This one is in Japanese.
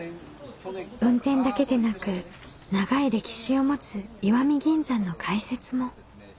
運転だけでなく長い歴史を持つ石見銀山の解説も。